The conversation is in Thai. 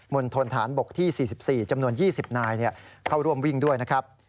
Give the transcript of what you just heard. ณฑนฐานบกที่๔๔จำนวน๒๐นายเข้าร่วมวิ่งด้วยนะครับ